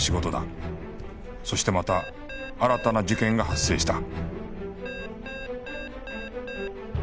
そしてまた新たな事件が発生した